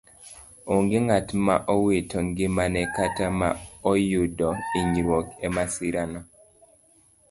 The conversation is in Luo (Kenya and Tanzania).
Onge ng'at ma owito ngimane kata ma oyudo inyruok e masirano.